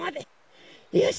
よし！